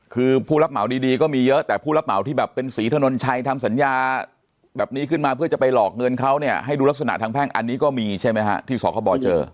คือผู้รับเหมาดีก็มีเยอะแต่ผู้รับเหมาที่แบบเป็นศรีถนนชัยทำสัญญาแบบนี้ขึ้นมาเพื่อจะไปหลอกเงินเขาเนี่ยให้ดูลักษณะทางแพ่งอันนี้ก็มีใช่ไหมฮะที่สคบเจอ